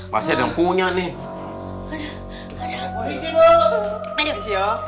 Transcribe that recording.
masih ada punya nih